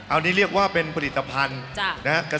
อันนี้เรียกว่าเป็นผลิตภัณฑ์นะครับ